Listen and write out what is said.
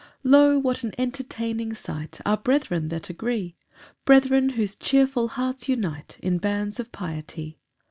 1 Lo! what an entertaining sight Are brethren that agree, Brethren, whose cheerful hearts unite In bands of piety!